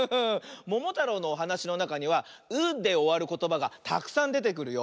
「ももたろう」のおはなしのなかには「う」でおわることばがたくさんでてくるよ。